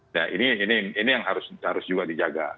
nah ini yang harus juga dijaga